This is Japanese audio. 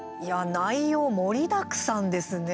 内容、盛りだくさんですね。